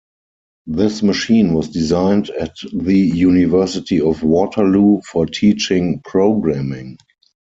This machine was designed at the University of Waterloo for teaching programming.